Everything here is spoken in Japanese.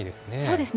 そうですね。